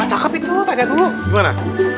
cakep itu tanya dulu gimana